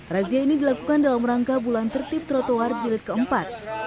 razia ini dilakukan dalam rangka bulan tertib trotoar jilid keempat